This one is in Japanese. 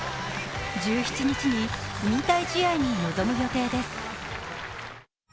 １７日に引退試合に臨む予定です。